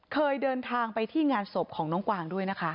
เคยเดินทางไปที่งานศพของน้องกวางด้วยนะคะ